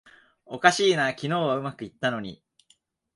おかしいな、昨日はうまくいったのに